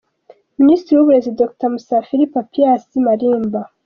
Minisitiri w'Uburezi, Dr Musafiri Papias Malimba.